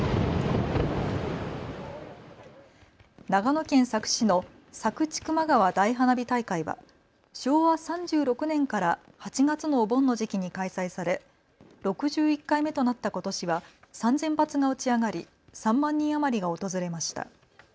長野県佐久市の佐久千曲川大花火大会は昭和３６年から８月のお盆の時期に開催され、６１回目となったことしは３０００発が打ち上がり３万人余りが訪れました。